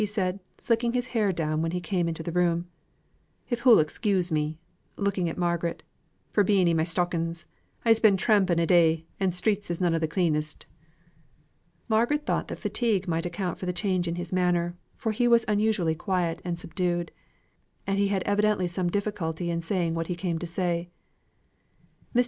said he, slicking his hair down when he came into the room: "If hoo'l excuse me (looking at Margaret) for being i' my stockings; I'se been tramping a' day, and streets is none o' th' cleanest." Margaret thought that fatigue might account for the change in his manner, for he was unusually quiet and subdued; and he had evidently some difficulty in saying what he came to say. Mr.